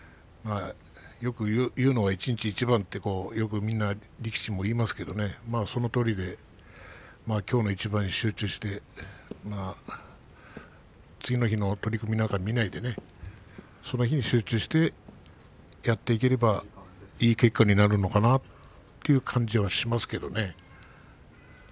よく言うのは、一日一番って力士も言いますがそのとおりできょうの一番に集中して次の日の取組なんか見ないでねその日に集中してやっていければいい結果になるのかなという感じがしますけれどもね。